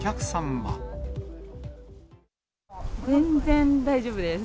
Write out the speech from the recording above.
全然大丈夫です。